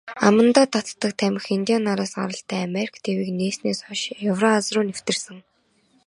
Амандаа татдаг тамхи индиан нараас гаралтай, Америк тивийг нээснээс хойно Еврази руу нэвтэрсэн.